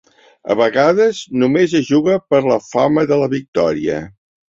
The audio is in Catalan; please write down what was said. A vegades només es juga per la fama de la victòria.